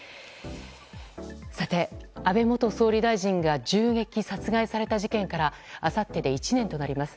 さて、安倍元総理大臣が銃撃・殺害された事件からあさってで１年となります。